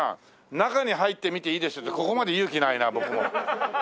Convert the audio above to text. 「中に入って見ていいですよ」ってここまで勇気ないな僕も。